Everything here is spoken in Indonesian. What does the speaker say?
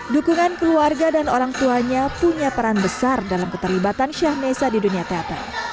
dukungan keluarga dan orang tuanya punya peran besar dalam keterlibatan syah nessa di dunia teater